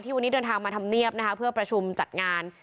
วันนี้เดินทางมาทำเนียบนะคะเพื่อประชุมจัดงาน